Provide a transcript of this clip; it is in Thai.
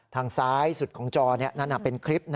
ทางซ้ายสุดของจอนั่นเป็นคลิป